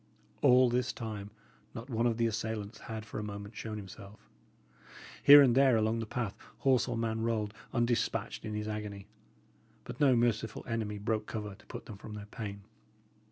All this time not one of the assailants had for a moment shown himself. Here and there along the path, horse or man rolled, undespatched, in his agony; but no merciful enemy broke cover to put them from their pain.